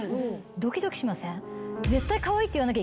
ドキドキしません？